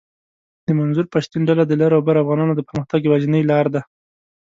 د منظور پشتین ډله د لر اوبر افغانانو د پرمختګ یواځنۍ لار ده